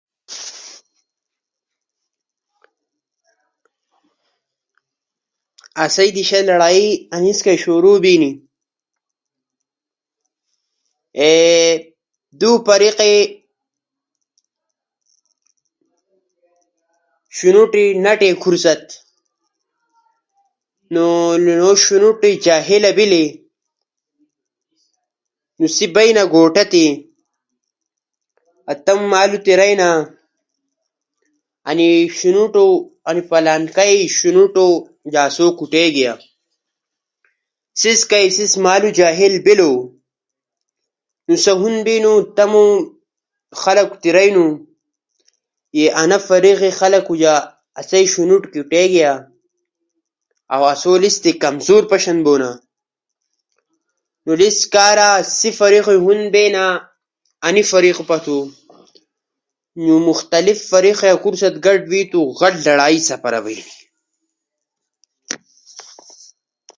اسئی دیشا لڑائی انیس کئی شروع بیلی اے دو فیقے شنوٹی مٹے اکھورو ست نو سا شنوٹی جاہلا بیلی۔ نو سئی بئینا گوٹا تی اؤ تمو مالو تی رئینا کے شنوتو آسو ست کرائی بیلنا۔ سئی بڑو ہم اسو ست لڑائی بیلنا، اسو لالو سخت کوٹینا۔ سئی شنوتو بڑو ہم قارا بئینا۔ اؤ تمو گوٹی کئی نیکھائینا اؤ ہورو شنوٹو ست لڑائین بئینا۔ انیس کارا دو فریقو درمیان لرائی سپارا بئینا۔ بوٹی شیطانی حرکات ہنی۔ یا ہور جے مسلو در ہم اکثر خلق لڑائی تھینا۔ بڑو درمیان کدا کدا اختلافات آٹینا با سئی اختلاف لرائی سپارا بئینا۔ انیس کئی علاوہ ہر کمیونٹی در اکثر خلقو لرائی جھگڑا بئینا۔